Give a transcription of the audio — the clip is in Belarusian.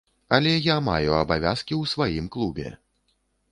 Але я маю абавязкі ў сваім клубе.